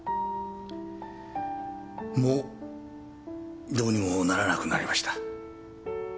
もうどうにもならなくなりました。